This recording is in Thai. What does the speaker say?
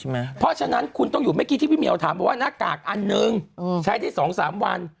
เพราะฉะนั้นคุณต้องอยู่เมื่อกี้ที่พี่เหมียวถามบอกว่าหน้ากากอันหนึ่งใช้ได้๒๓วัน